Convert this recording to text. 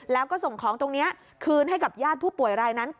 แล้วก็ส่งของตรงนี้คืนให้กับญาติผู้ป่วยรายนั้น